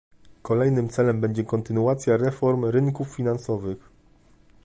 Kolejnym celem będzie kontynuacja reform rynków finansowych